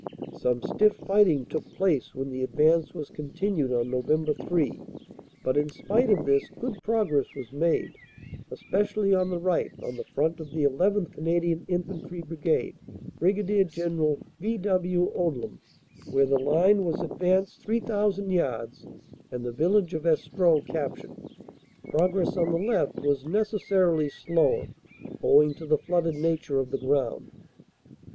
"Some stiff fighting took place when the advance was con tinued on Nov. 3, but in spite of this good progress was made, especially on the right on the front of the llth. Canadian In fantry Brigade (Brig. General V. W. Odium), where the line was advanced 3,000 yards and the village of Estreux cap tured. Progress on the left was necessarily slower owing to the flooded nature of the ground.